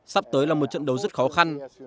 sắp tới là một trận đấu rất khó khăn